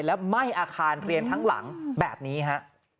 แล้วไหม้อาคารเรียนทั้งหลังแบบนี้ฮะ